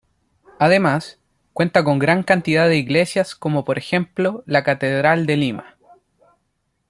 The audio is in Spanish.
Además, cuenta con gran cantidad de iglesias como por ejemplo la Catedral de Lima.